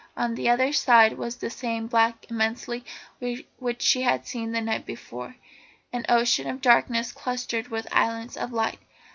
On the other side was the same black immensity which she had seen the night before, an ocean of darkness clustered with islands of light.